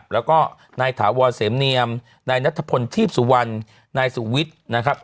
แล้วก็นายถาวรเสมเนียมนายนัทพลทีพสุวรรณนายสุวิทย์นะครับ